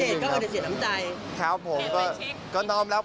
หนองแล้วไว้เป็นคำขอบคุณครับผม